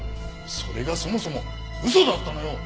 それがそもそも嘘だったのよ！